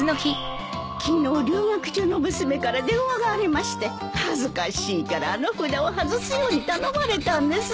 昨日留学中の娘から電話がありまして恥ずかしいからあの札を外すように頼まれたんです。